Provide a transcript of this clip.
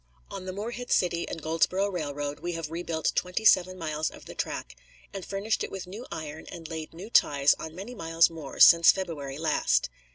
On the Morehead City and Goldsboro' Railroad we have rebuilt twenty seven miles of the track, and furnished it with new iron and laid new ties on many miles more since February last.